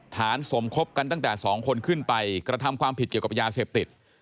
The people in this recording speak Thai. สมคบกันตั้งแต่๒คนขึ้นไปกระทำความผิดเกี่ยวกับยาเสพติด